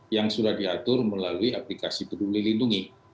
yang sudah diatur melalui aplikasi peduli lindungi